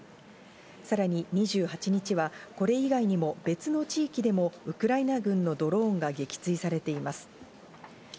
さらに２８日はこれ以外にも別の地域でも、ウクライナ軍のドローンが撃墜されています。